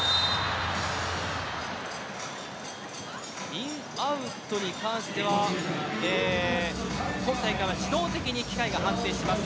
イン、アウトに関しては今大会、自動的に機械が判定します。